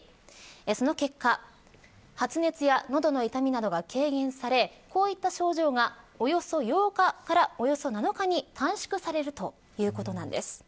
その結果発熱や喉の痛みなどが軽減されこういった症状がおよそ８日からおよそ７日に短縮されるということなんです。